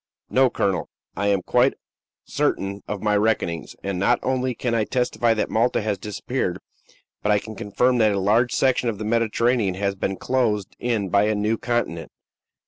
"No, colonel, I am quite certain of my reckonings; and not only can I testify that Malta has disappeared, but I can affirm that a large section of the Mediterranean has been closed in by a new continent.